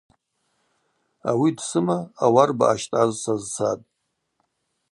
Ауи дсыма ауарба ъащтӏаз сазцатӏ.